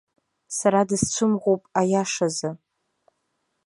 Сара дысцәымӷуп, аиашазы.